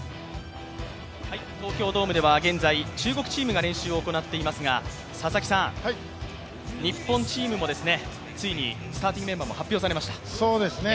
東京ドームでは現在中国チームが練習を行っていますが佐々木さん、日本チームもついにスターティングメンバーも発表されました。